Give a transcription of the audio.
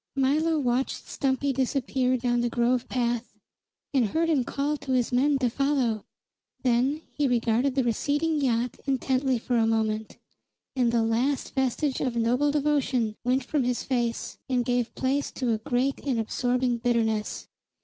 Milo watched Stumpy disappear down the grove path, and heard him call to his men to follow. Then he regarded the receding yacht intently for a moment, and the last vestige of noble devotion went from his face and gave place to a great and absorbing bitterness.